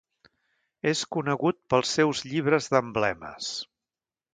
És conegut pels seus llibres d'emblemes.